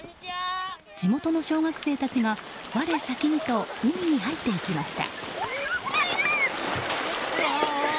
地元の小学生たちが我先にと海に入っていきました。